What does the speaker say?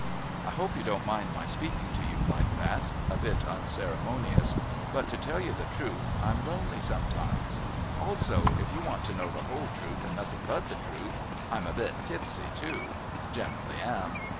"I hope you didn't mind my speaking to you like that a bit unceremonious. But to tell you the truth I'm lonely sometimes. Also, if you want to know the whole truth and nothing but the truth, I'm a bit tipsy too. Generally am.